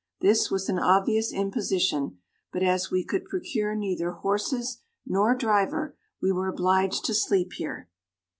This was an obvious imposition; but as we could procure neither horses nor driver, we were obliged to sleep here.